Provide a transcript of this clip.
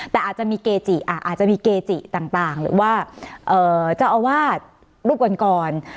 แต่อาจจะมีเกจิอาจจะมีเกจิต่างหรือว่าเจ้าอาวาสรูปก่อน